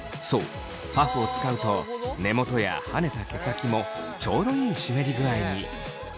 そうパフを使うと根元やはねた毛先もちょうどいい湿り具合に。